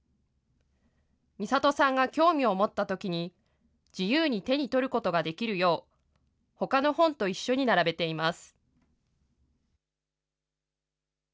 美里さんが興味を持ったときに、自由に手に取ることができるよう、ほかの本と一緒に並べています。